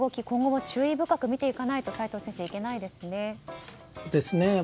今後も注意深く見ていかないと齋藤先生、いけないですね。